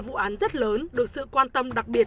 vụ án rất lớn được sự quan tâm đặc biệt